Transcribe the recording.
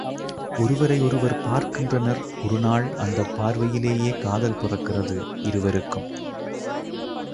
ஒருவரையொருவர் பார்க்கின்றனர் ஒருநாள், அந்தப் பார்வையிலேயே காதல் பிறக்கிறது இருவருக்கும்.